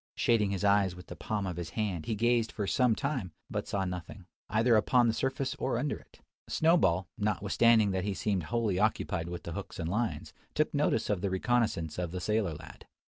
Shading his eyes with the palm of his hand, he gazed for some time, but saw nothing, either upon the surface or under it. Snowball, notwithstanding that he seemed wholly occupied with the hooks and lines, took notice of the reconnoissance of the sailor lad.